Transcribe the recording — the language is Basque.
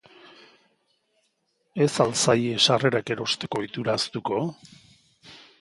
Ez al zaie sarrerak erosteko ohitura ahaztuko?